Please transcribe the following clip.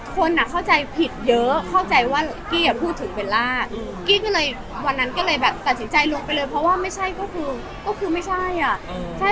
คนเข้าใจผิดเยอะเข้าใจว่ากี้พูดถึงเวลากี้วันนั้นก็เลยตัดสินใจลงไปเลยเพราะว่าไม่ใช่ก็คือไม่ใช่